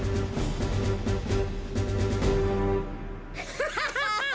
ハハハハハ！